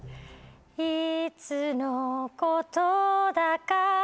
いつのことだか